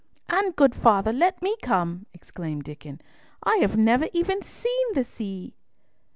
"And, good father, let me come," exclaimed Diccon; "I have never even seen the sea!"